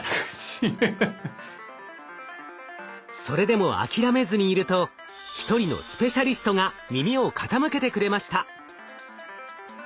それでも諦めずにいると一人のスペシャリストが耳を傾けてくれました。